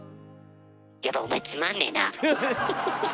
やっぱお前つまんねえな。